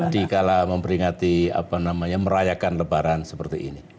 dikala memperingati apa namanya merayakan lebaran seperti ini